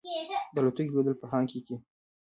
د الوتکې لوېدل په هانګ کې کې.